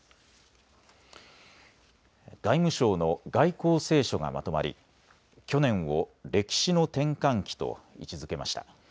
外務省の外交青書がまとまり去年を歴史の転換期と位置づけました。